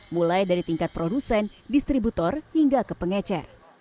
mulai dari tingkat produsen distributor hingga ke pengecer